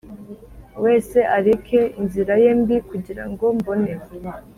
Wese areke inzira ye mbi kugira ngo mbone